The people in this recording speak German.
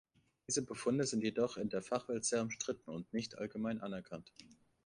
Diese Befunde sind jedoch in der Fachwelt sehr umstritten und nicht allgemein anerkannt.